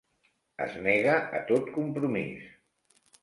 Es nega a tot compromís.